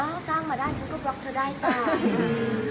ถ้าสร้างมาได้ฉันก็บล็อกเธอได้จ้า